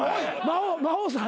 魔王さん